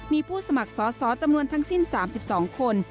มีผู้สมัครสอสอจำนวนทั้งสิ้น๓๒คน